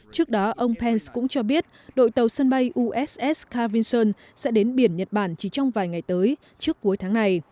trước đó ông pence cũng cho biết đội tàu sân bay uss ca vinson sẽ đến biển nhật bản chỉ trong vài ngày tới trước cuối tháng này